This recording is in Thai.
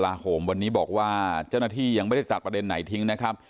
โหมวันนี้บอกว่าเจ้าหน้าที่ยังไม่ได้ตัดประเด็นไหนทิ้งนะครับ